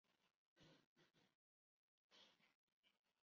潘公展生于一个绢商家庭。